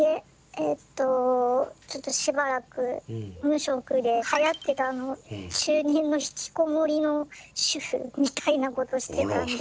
えっとちょっとしばらく無職ではやってた中年のひきこもりの主婦みたいなことしてたんで。